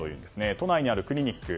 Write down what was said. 都内にあるクリニック。